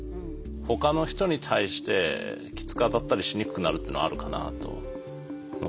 ほかの人に対してきつく当たったりしにくくなるっていうのはあるかなと思っていて。